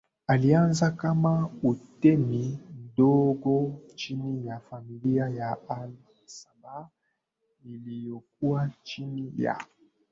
ilianza kama utemi mdogo chini ya familia ya Al Sabah iliyokuwa chini ya